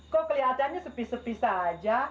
kok kelihatannya sepi sepi saja